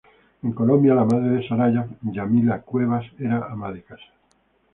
En Colombia, la madre de Soraya, Yamila Cuevas, era ama de casa.